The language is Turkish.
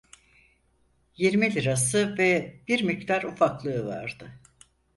Yirmi lirası ve bir miktar ufaklığı vardı.